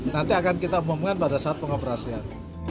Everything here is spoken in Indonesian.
nanti akan kita umumkan pada saat pengoperasian